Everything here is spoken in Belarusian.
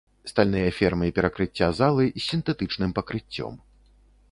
Стальныя фермы перакрыцця залы з сінтэтычным пакрыццём.